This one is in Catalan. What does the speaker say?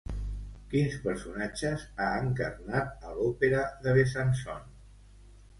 Quins personatges ha encarnat a l'Òpera de Besançon?